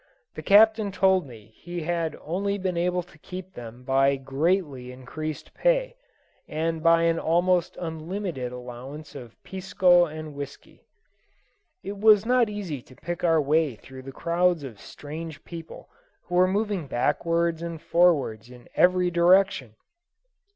The Captain told me he had only been able to keep them by greatly increased pay, and by an almost unlimited allowance of pisco and whisky. It was not easy to pick our way through the crowds of strange people who were moving backwards and forwards in every direction.